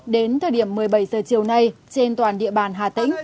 đến thời điểm một mươi bảy giờ chiều nay trên toàn địa bàn hà tĩnh